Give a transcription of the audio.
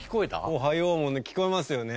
「おはよう」もね聞こえますよね。